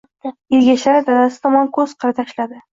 Ergashali dadasi tomon ko‘z qiri tashladi.